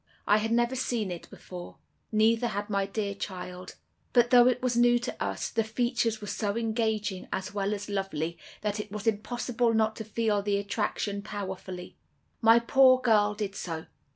I had never seen it before, neither had my dear child. But though it was new to us, the features were so engaging, as well as lovely, that it was impossible not to feel the attraction powerfully. My poor girl did so.